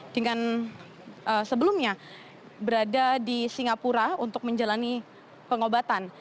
dengan sebelumnya berada di singapura untuk menjalani pengobatan